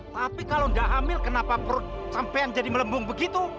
tapi kalau gak hamil kenapa perut sampai yang jadi melembung begitu